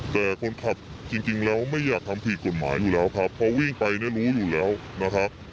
แต่คนขับจริงแล้วไม่อยากทำผิดกฎหมายอยู่แล้วครับเพราะวิ่งไปเนี่ยรู้อยู่แล้วนะครับ